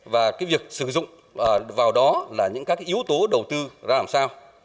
và cái việc sử dụng vào đó là những các yếu tố đầu tư ra làm sao